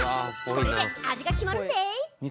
これで味が決まるんでい！